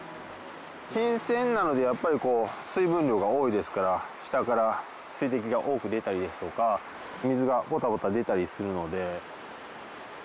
新鮮なのでやっぱりこう水分量が多いですから下から水滴が多く出たりですとか水がポタポタ出たりするので。